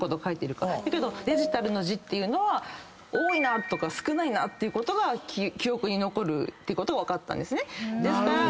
だけどデジタルな字というのは多いなとか少ないなってことが記憶に残るってことが分かったんですね。